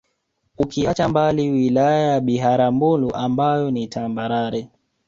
Ukiacha mbali Wilaya ya Biharamulo ambayo ni tambarare